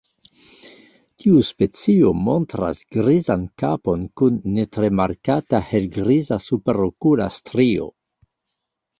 Tiu specio montras grizan kapon kun ne tre markata helgriza superokula strio.